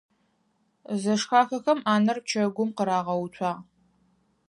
Зэшхахэхэм ӏанэр пчэгум къырагъэуцуагъ.